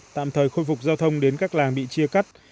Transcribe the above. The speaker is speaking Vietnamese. tạm thời khôi phục giao thông đến các làng bị chia cắt